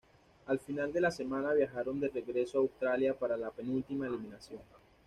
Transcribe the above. Al final de la semana viajaron de regreso a Australia para la penúltima eliminación.